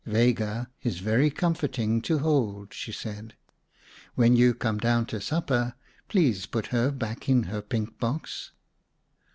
"Vega is very comforting to hold," she said. "When you come down to supper, please put her back in her pink box."